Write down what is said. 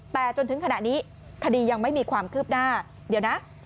แต่จนถึงขณะนี้คดียังไม่มีความคืบหน้าเดี๋ยวนะ